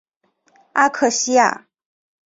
阿克西亚。